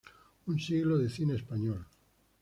Un siglo de cine español.